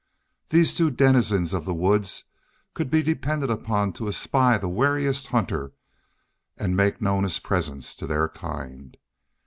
These two denizens of the woods could be depended upon to espy the wariest hunter and make known his presence to their kind.